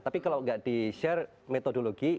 tapi kalau nggak di share metodologi